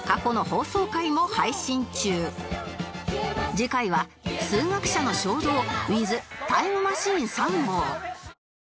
次回は数学者の衝動 ｗｉｔｈ タイムマシーン３号